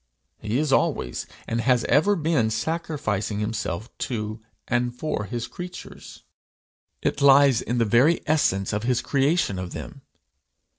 He is always, and has ever been, sacrificing himself to and for his creatures. It lies in the very essence of his creation of them.